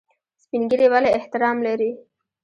سپین ږیری ولې احترام لري؟